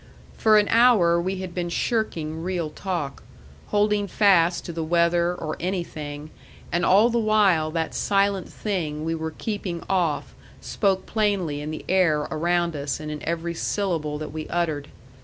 For an hour we had been shirking real talk, holding fast to the weather, or anything, and all the while that silent thing we were keeping off spoke plainly in the air around us and in every syllable that we uttered.